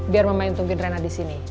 biar mama yang tungguin rena di sini